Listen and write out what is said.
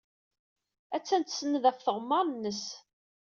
Attan tsenned ɣef tɣemmar-nnes.